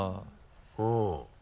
うん。